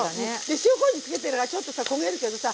で塩こうじつけてるからちょっとさ焦げるけどさ